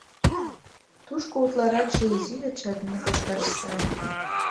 Тушко утларакше изи йоча дене кошташ сай.